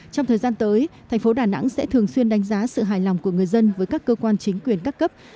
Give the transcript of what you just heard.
trong thời gian tới thành phố đà nẵng sẽ thường xuyên đánh giá sự hài lòng của người dân với các cơ quan chính quyền các cấp